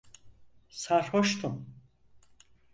Sarhoştun.